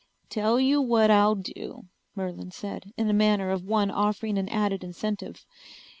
"Tell you what I'll do," Merlin said, in a manner of one offering an added incentive.